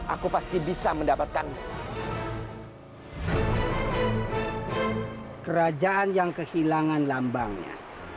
aku pasti bisa mendapatkannya